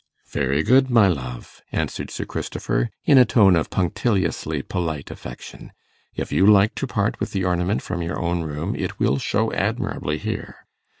'Very good, my love,' answered Sir Christopher, in a tone of punctiliously polite affection; 'if you like to part with the ornament from your own room, it will show admirably here.